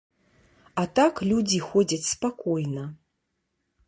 А так людзі ходзяць спакойна.